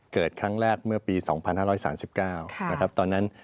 เกิดครั้งแรกเมื่อปี๒๕๓๙นะครับตอนนั้น